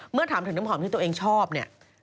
เมื่อถามถึงน้ำหอมที่ตัวเองชอบเนี่ย